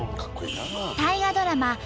大河ドラマ